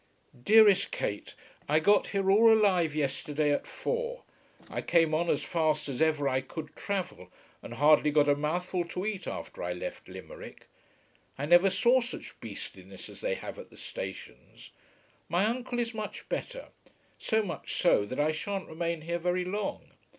DEAREST KATE, I got here all alive yesterday at four. I came on as fast as ever I could travel, and hardly got a mouthful to eat after I left Limerick. I never saw such beastliness as they have at the stations. My uncle is much better, so much so that I shan't remain here very long.